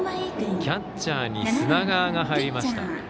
キャッチャーに砂川が入りました。